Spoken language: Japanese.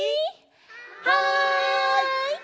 はい！